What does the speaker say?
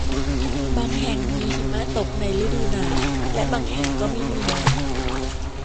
บางแห่งมีหิมะตกในฤดูหนาวและบางแห่งก็ไม่มี